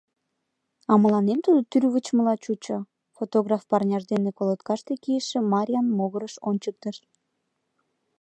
— А мыланем тудо тӱрвычмыла чучо, — фотограф парняж дене колоткаште кийыше Марьян могырыш ончыктыш.